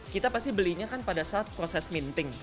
kita pasti belinya kan pada saat proses minting